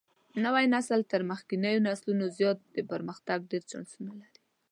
نوى نسل تر مخکېنيو نسلونو زيات د پرمختګ ډېر چانسونه لري.